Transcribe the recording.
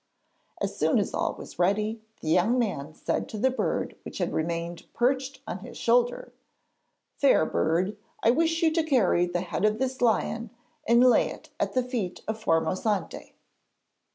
As soon as all was ready the young man said to the bird which had remained perched on his shoulder: 'Fair bird, I wish you to carry the head of this lion, and lay it at the feet of Formosante.'